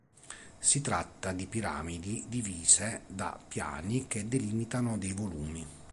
Si tratta di piramidi divise da piani che delimitano dei volumi.